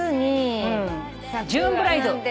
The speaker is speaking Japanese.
ジューンブライド。